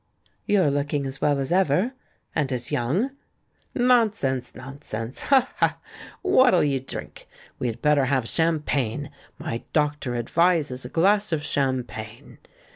"You're looking as well as ever — and as young." "Nonsense, nonsense! Ha! ha! What'll you drink? We had better have champagne — my doctor advises a glass of champagne.